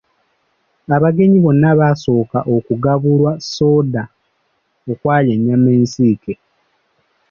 Abagenyi bonna baasooka kugabulwa sooda okwali ennyama ensiike.